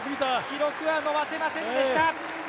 記録は伸ばせませんでした。